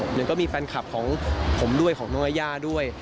หนึ่งก็มีแฟนคลับของผมด้วยของน้องยายาด้วย